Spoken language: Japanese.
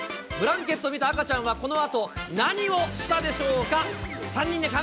ブランケットを見た赤ちゃんは、このあと何をしたでしょうか。